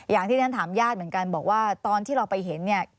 อย่างที่ฉันถามญาติเหมือนกันบอกว่าตอนที่เราไปเห็นเนี่ย